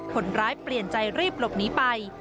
คนร้ายเปลี่ยนใจรีบหลบหนีไป